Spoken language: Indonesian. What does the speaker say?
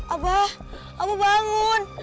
itu anaknya rama